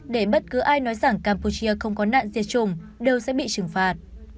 để bất cứ ai nói rằng campuchia không có nạn diệt chủng đều sẽ bị trừng phạt